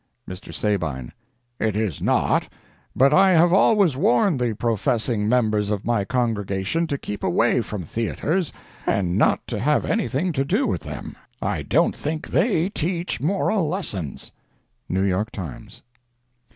Mr. Sabine—It is not; but I have always warned the professing members of my congregation to keep away from theatres and not to have anything to do with them. I don't think that they teach moral lessons.—New York Times.